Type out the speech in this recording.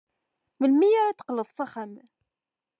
Melmi ara d-teqqleḍ s axxam?